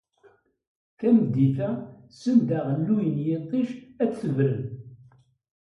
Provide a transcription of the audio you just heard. Tameddit-a, send aɣelluy n yiṭij ad d-tebren.